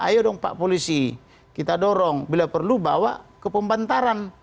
ayo dong pak polisi kita dorong bila perlu bawa ke pembantaran